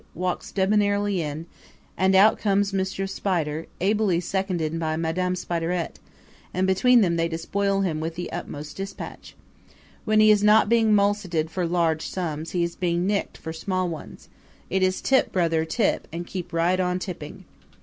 walks debonairly in, and out comes Monsieur Spider, ably seconded by Madame Spiderette; and between them they despoil him with the utmost dispatch. When he is not being mulcted for large sums he is being nicked for small ones. It is tip, brother, tip, and keep right on tipping.